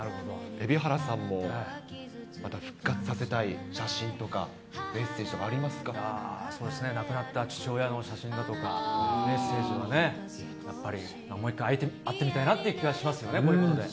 蛯原さんもまた復活させたい写真そうですね、亡くなった父親の写真だとか、メッセージはね、やっぱり、もう一回会ってみたいなという気はしますよね。